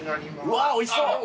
うわおいしそう！